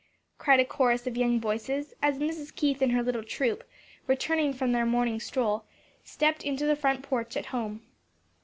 cried a chorus of young voices, as Mrs. Keith and her little troop, returning from their morning stroll, stepped into the front porch at home.